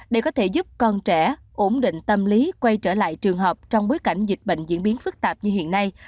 để có thể giúp con trẻ ổn định tâm lý quay trở lại trường học trong bối cảnh dịch bệnh diễn biến phức tạp như hiện nay